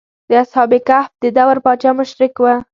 د اصحاب کهف د دور پاچا مشرک و.